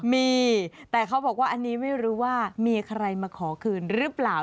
มีแต่เขาบอกว่าอันนี้ไม่รู้ว่ามีใครมาขอคืนหรือเปล่า